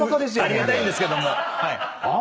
ありがたいんですけども。